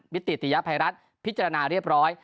ติติยภัยรัฐพิจารณาเรียบร้อย